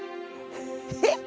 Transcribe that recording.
えっ！？